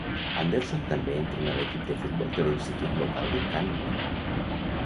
Anderson també entrena l'equip de futbol de l'institut local de Canmore.